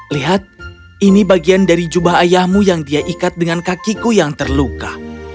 lihat ini bagian dari jubah ayahmu yang dia ikat dengan kakiku yang terluka